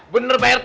bener pak rt